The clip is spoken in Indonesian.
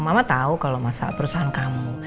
mama tahu kalau masalah perusahaan kamu